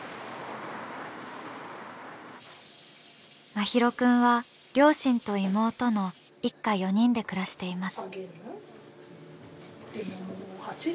真浩くんは両親と妹の一家４人で暮らしています。